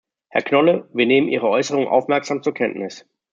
Herr Knolle, wir nehmen Ihre Äußerung aufmerksam zur Kenntnis.